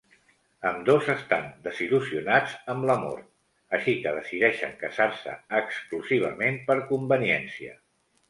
Ambdós estan desil·lusionats amb l'amor, així que decideixen casar-se exclusivament per conveniència.